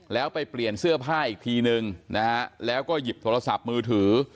แล้วไปเปลี่ยนเสื้อผ้าอีกทีนึงนะฮะแล้วก็หยิบโทรศัพท์มือถือ